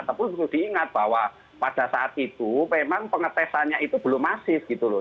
tapi perlu diingat bahwa pada saat itu memang pengetesannya itu belum masif gitu loh